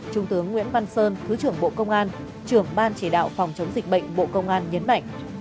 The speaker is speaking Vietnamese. trung tướng nguyễn văn sơn thứ trưởng bộ công an trưởng ban chỉ đạo phòng chống dịch bệnh bộ công an nhấn mạnh